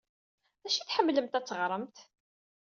D acu ay tḥemmlemt ad teɣremt?